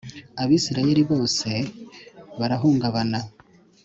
Abisirayeli bose barahungabana